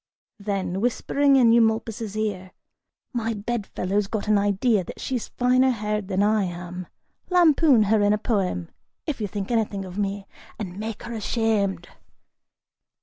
(Then, whispering in Eumolpus' ear,) "My bedfellow's got an idea that she's finer haired than I am; lampoon her in a poem, if you think anything of me, and make 'er ashamed."